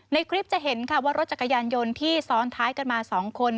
ในคลิปจะเห็นค่ะว่ารถจักรยานยนต์ที่ซ้อนท้ายกันมา๒คน